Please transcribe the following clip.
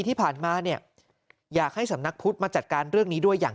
ที่ผ่านมาเนี่ยอยากให้สำนักพุทธมาจัดการเรื่องนี้ด้วยอย่าง